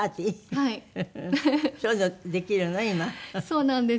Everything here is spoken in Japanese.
そうなんですよ。